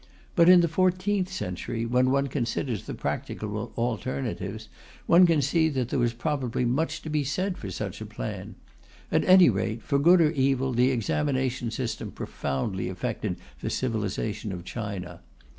But in the fourteenth century, when one considers the practicable alternatives, one can see that there was probably much to be said for such a plan. At any rate, for good or evil, the examination system profoundly affected the civilization of China.